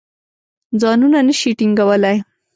ځانونه نه شي ټینګولای.